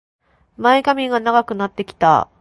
前髪が長くなってきた